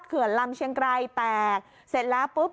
เขื่อนลำเชียงไกรแตกเสร็จแล้วปุ๊บ